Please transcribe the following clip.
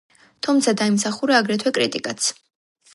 თუმცა დაიმსახურა, აგრეთვე კრიტიკაც.